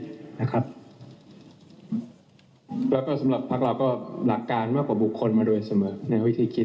แล้วก็สำหรับพักเราก็หลักการมากกว่าบุคคลมาโดยเสมอในวิธีคิด